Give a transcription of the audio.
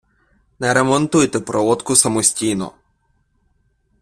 Не ремонтуйте проводку самостійно.